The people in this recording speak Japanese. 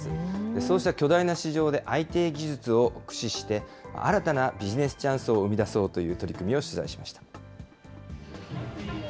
そうした巨大な市場で、ＩＴ技術を駆使して、新たなビジネスチャンスを生み出そうという取り組みを取材しました。